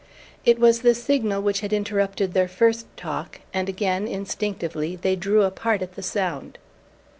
It was the signal which had interrupted their first talk, and again, instinctively, they drew apart at the sound.